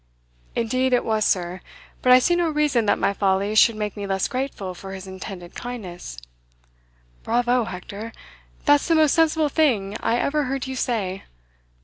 "Indeed it was, sir; but I see no reason that my folly should make me less grateful for his intended kindness." "Bravo, Hector! that's the most sensible thing I ever heard you say.